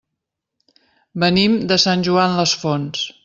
Venim de Sant Joan les Fonts.